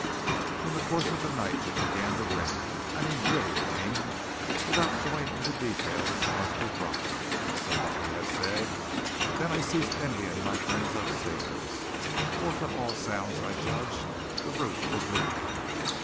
In the course of the night it began to rain. I mean really rain, "without going into details as to drops," as somebody has said. Then I ceased envying my friends upstairs; for from all sounds I judged the roof was leaking.